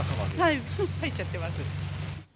はい、入っちゃってます。